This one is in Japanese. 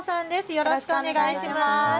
よろしくお願いします。